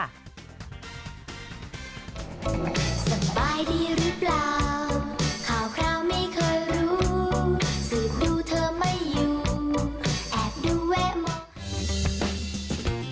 สบายดีหรือเปล่าข่าวคราวไม่เคยรู้สืบดูเธอไม่อยู่แอบดูแวะมอง